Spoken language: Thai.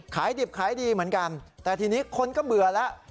ขายดิบขายดีเหมือนกันแต่ทีนี้คนก็เบื่อแล้ว